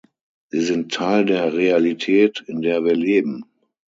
Sie sind Teil der Realität, in der wir leben.